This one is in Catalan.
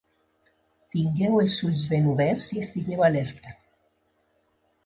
Tingueu els ulls ben oberts i estigueu alerta.